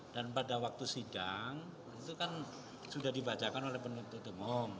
dan pada waktu sidang itu kan sudah dibacakan oleh penutup demum